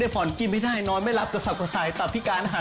วันนี้ไม่สบายอีกแล้วเหรอ